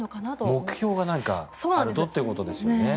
目標が何かあるとということですね。